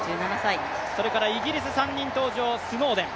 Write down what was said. イギリス３人登場、スノーデン。